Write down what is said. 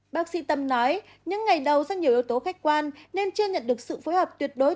bác sĩ tâm nói những ngày đầu do nhiều yếu tố khách quan nên chưa nhận được sự phối hợp tuyệt đối